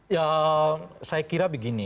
ya saya kira begini